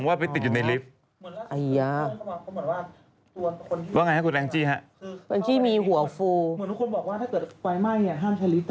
คนที่อยู่ในลิฟท์นี้มันเจอที่หลังว่าไปติดอยู่ในลิฟท์